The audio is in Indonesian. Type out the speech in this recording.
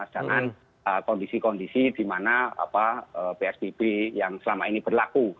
dengan kondisi kondisi di mana psbb yang selama ini berlaku